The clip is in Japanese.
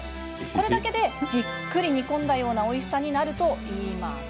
これだけでじっくり煮込んだようなおいしさになるといいます。